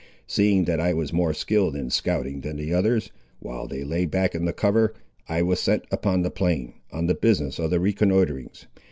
Seeing that I was more skilled in scouting than the others, while they lay back in the cover, I was sent upon the plain, on the business of the reconnoitrings.